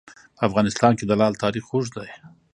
په افغانستان کې د لعل تاریخ اوږد دی.